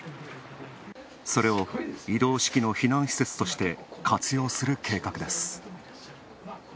それを移動式の避難施設として活用する計画です。